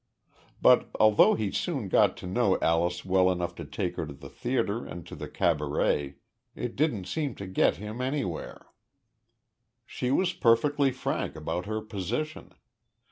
But, although he soon got to know Alyce well enough to take her to the theater and to the cabarets, it didn't seem to get him anywhere. She was perfectly frank about her position.